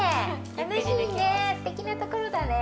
楽しいね。